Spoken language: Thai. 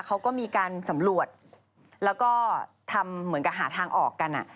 เขาก็มีการสำรวจแล้วก็ทำเหมือนกับหาทางออกกัน